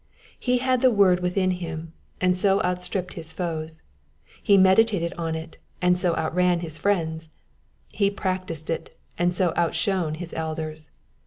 He had the word with him, and so outstripped his foes ; he meditated on it, and so outran his friends ; he practised it, and so outshone his elders.